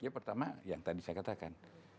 ya pertama yang tadi saya katakan